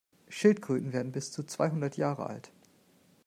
Schildkröten werden bis zu zweihundert Jahre alt.